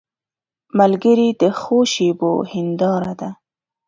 ملګری د ښو شېبو هنداره ده